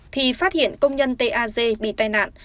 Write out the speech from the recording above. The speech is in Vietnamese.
thì phát hiện công nhân taz bị tai nạn